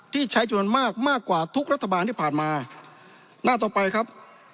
ที่ใช้จำนวนมากมากกว่าทุกรัฐบาลที่ผ่านมาหน้าต่อไปครับ